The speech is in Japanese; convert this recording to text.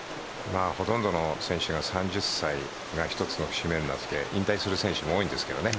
ほとんどの選手が３０歳が一つの節目になって引退する選手も多いんですけどね。